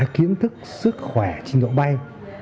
kiến thức sức khỏe trình độ bay